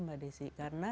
mbak desi karena